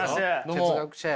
哲学者や。